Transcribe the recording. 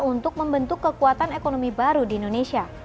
untuk membentuk kekuatan ekonomi baru di indonesia